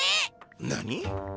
何？